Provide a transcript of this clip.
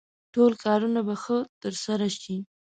ټول کارونه به ښه ترسره شي.